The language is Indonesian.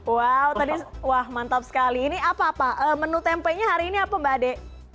wow tadi wah mantap sekali ini apa apa menu tempenya hari ini apa mbak ade